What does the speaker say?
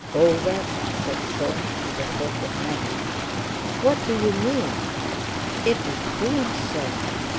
"Over?" said Soames, with a sort of menace; "what d'you mean?" "It's born, sir."